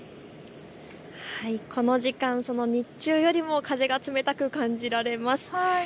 この時間、日中よりも風が冷たく感じられます。